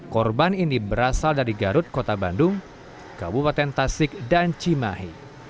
korban ini berasal dari garut kota bandung kabupaten tasik dan cimahi